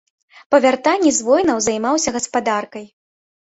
Па вяртанні з войнаў займаўся гаспадаркай.